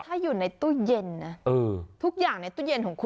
ถ้าอยู่ในตู้เย็นนะทุกอย่างในตู้เย็นของคุณ